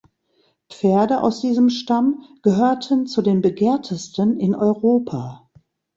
Pferde aus diesem Stamm gehörten zu den begehrtesten in Europa.